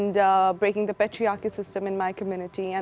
dan saya juga mematuhi sistem patriarki di komunitas saya